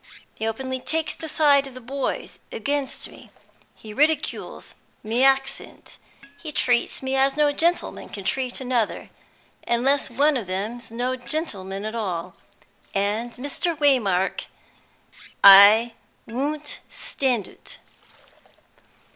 He openly takes the side of the boys against me; he ridicules my accent; he treats me as no gentleman can treat another, unless one of them's no gentleman at all! And, Mr. Waymark, I won't stand ut!"